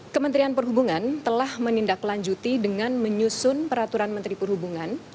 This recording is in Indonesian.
kementerian perhubungan telah menindaklanjuti dengan menyusun peraturan menteri perhubungan